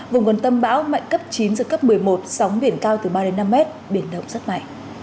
vùng gần tâm bão mạnh cấp chín giật cấp một mươi một sóng biển cao từ ba đến năm mét biển động rất mạnh